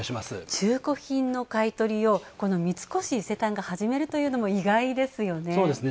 中古品の買い取りをこの三越伊勢丹が始めるというのも意外ですよね。